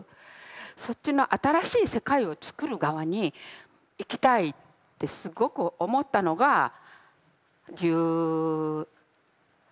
そっちの新しい世界をつくる側に行きたいってすごく思ったのが１３とか４とか。